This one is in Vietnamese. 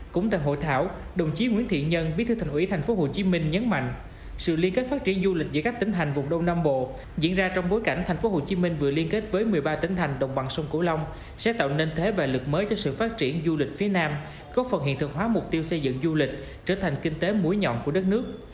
cũng tại hội thảo đồng chí nguyễn thiện nhân bí thư thành ủy tp hcm nhấn mạnh sự liên kết phát triển du lịch giữa các tỉnh hành vùng đông nam bộ diễn ra trong bối cảnh tp hcm vừa liên kết với một mươi ba tỉnh thành đồng bằng sông cửu long sẽ tạo nên thế và lực mới cho sự phát triển du lịch phía nam góp phần hiện thực hóa mục tiêu xây dựng du lịch trở thành kinh tế mũi nhọn của đất nước